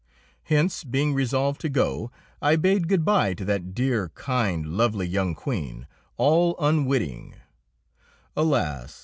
Hence, being resolved to go, I bade good by to that dear, kind, lovely young Queen, all unwitting, alas!